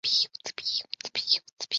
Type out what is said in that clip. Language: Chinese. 三好在畿内进入了全盛期。